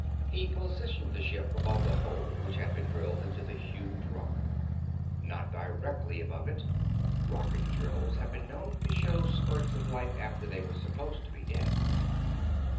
He positioned the ship above the hole which had been drilled into the huge rock. Not directly above it rocket drills had been known to show spurts of life after they were supposed to be dead.